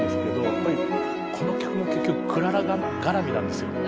やっぱりこの曲も結局クララがらみなんですよ。